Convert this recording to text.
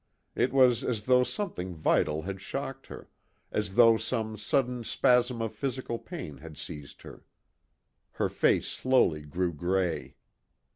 It was as though something vital had shocked her, as though some sudden spasm of physical pain had seized her. Her face slowly grew gray.